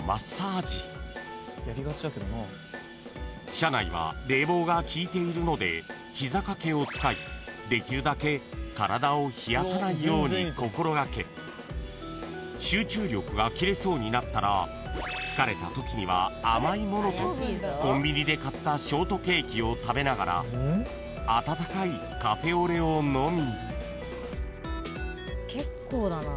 ［社内は冷房が効いているので膝掛けを使いできるだけ体を冷やさないように心掛け集中力が切れそうになったら疲れたときには甘いものとコンビニで買ったショートケーキを食べながら温かいカフェオレを飲み］